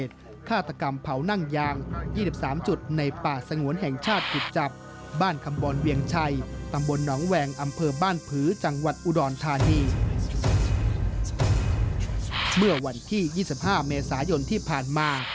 อุดรทานี่เมื่อวันที่๒๕เมษายนที่ผ่านมา